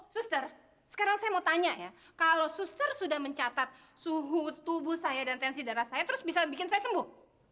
suster sekarang saya mau tanya ya kalau suster sudah mencatat suhu tubuh saya dan tensi darah saya terus bisa bikin saya sembuh